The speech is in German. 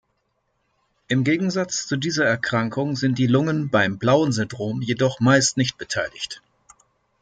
Im Gegensatz zu dieser Erkrankung sind die Lungen beim Blau-Syndrom jedoch meist nicht beteiligt.